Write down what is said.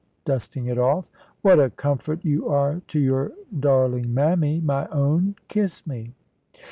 dusting it off. "What a comfort you are to your darling mammy, my own! Kiss me."